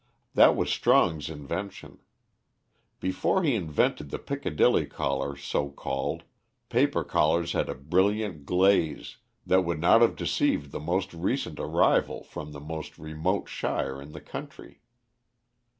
That was Strong's invention. Before he invented the Piccadilly collar so called, paper collars had a brilliant glaze that would not have deceived the most recent arrival from the most remote shire in the country.